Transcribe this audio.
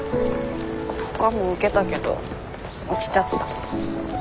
ほかも受けたけど落ちちゃった。